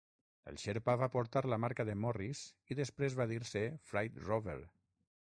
El "Sherpa" va portar la marca de Morris i després va dir-se Freight Rover.